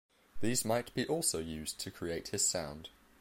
These might be also used to create his sound.